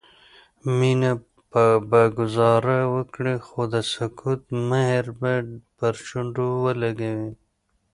مينه به ګذاره وکړي خو د سکوت مهر به پر شونډو ولګوي